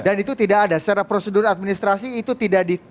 dan itu tidak ada secara prosedur administrasi itu tidak dihadirkan